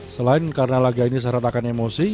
selain karena laga ini seratakan emosi